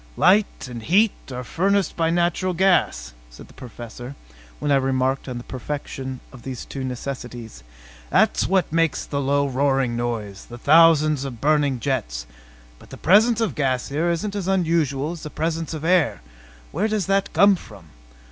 "Light and heat are furnished by natural gas," said the Professor when I remarked on the perfection of these two necessities. "That's what makes the low roaring noise the thousands of burning jets. But the presence of gas here isn't as unusual as the presence of air. Where does that come from?